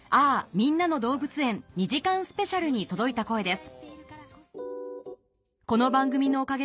みんなの動物園２時間ＳＰ』に届いた声です